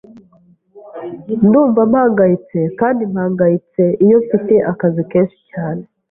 Ndumva mpangayitse kandi mpangayitse iyo mfite akazi kenshi cyane.